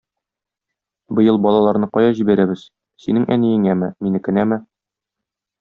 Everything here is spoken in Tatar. Быел балаларны кая җибәрәбез: синең әниеңәме, минекенәме?